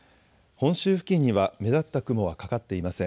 本州付近には目立った雲はかかっていません。